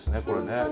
これね。